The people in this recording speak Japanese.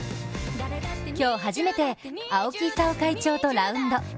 今日、初めて青木功会長とラウンド。